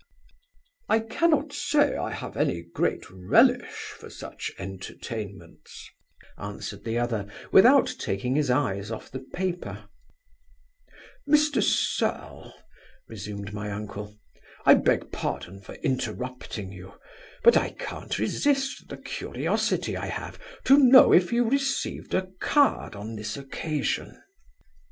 'I cannot say I have any great relish for such entertainments,' answered the other, without taking his eyes off the paper 'Mr Serle (resumed my uncle) I beg pardon for interrupting you; but I can't resist the curiosity I have to know if you received a card on this occasion?